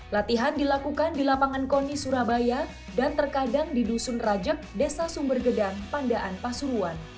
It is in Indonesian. latihan dilakukan di lapangan koni surabaya dan terkadang di dusun rajab desa sumbergedang pandaan pasuruan